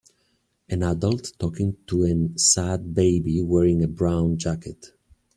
An adult talking to an sad baby wearing a brown jacket.